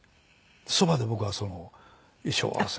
そばで僕はその衣装合わせ。